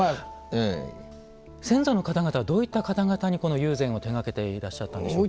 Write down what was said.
先祖の方々はどういった方々に友禅を手がけていらっしゃったんでしょうか。